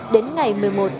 đến ngày một mươi một